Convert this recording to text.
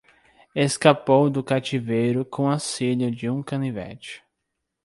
Escapou do cativeiro com auxílio de um canivete